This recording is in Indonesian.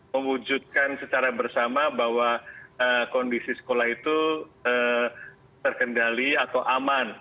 mewujudkan secara bersama bahwa kondisi sekolah itu terkendali atau aman